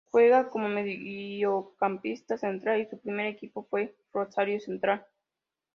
Juega como mediocampista central y su primer equipo fue Rosario Central.